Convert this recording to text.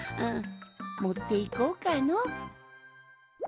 もっていこうかの。